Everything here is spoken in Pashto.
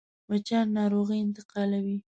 مچان ناروغي انتقالوي